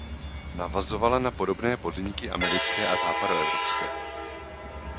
Navazovala na podobné podniky americké a západoevropské.